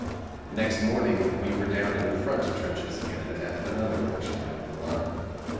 Next morning we were down in the front trenches again at another portion of the line.